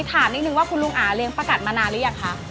ถามนิดนึงว่าคุณลุงอาเลี้ยประกัดมานานหรือยังคะ